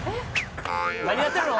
何やってるの？